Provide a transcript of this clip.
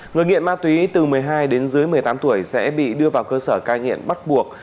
người nghiện ma túy từ một mươi hai đến dưới một mươi tám tuổi sẽ bị đưa vào cơ sở cai nghiện bắt buộc